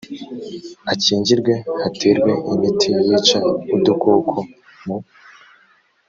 akingirwe haterwe imiti yica udukoko mu